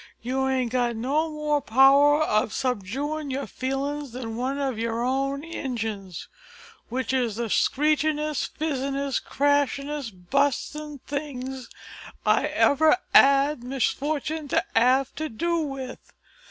You ain't got no more power of subjewin' your feelings than one of your own ingines, w'ich is the schreechin'ist, fizzin'ist, crashin'ist, bustin' things I ever 'ad the misfortune to 'ave to do with.